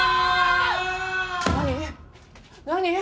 何何！？